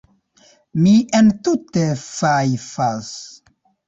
Mi entute fajfas.